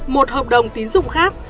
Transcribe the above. một hợp đồng tín dụng khác